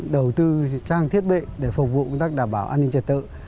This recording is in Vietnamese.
đầu tư trang thiết bị để phục vụ công tác đảm bảo an ninh trật tự